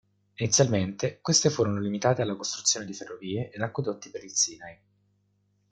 Inizialmente, queste furono limitate alla costruzione di ferrovie ed acquedotti per il Sinai.